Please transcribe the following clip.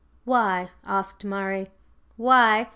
"Why?" asked Murray. "Why?